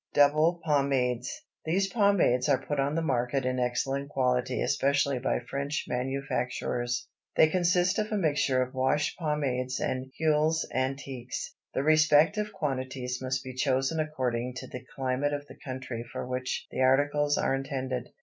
DOUBLE POMADES. These pomades are put on the market in excellent quality especially by French manufacturers. They consist of a mixture of washed pomades and huiles antiques. The respective quantities must be chosen according to the climate of the country for which the articles are intended.